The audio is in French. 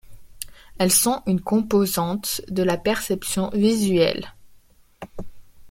Elles sont une composante de la perception visuelle.